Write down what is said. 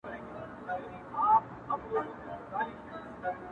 o دا خو رښتيا خبره ـ